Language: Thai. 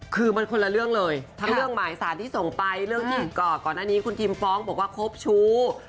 คือมันคนละเรื่องเลยทั้งเรื่องหมายสารที่ส่งไปเรื่องที่ก่อนหน้านี้คุณทิมฟ้องบอกว่าครบชู้